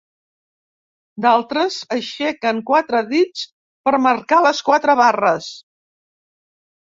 D'altres aixequen quatre dits per marcar les quatre barres.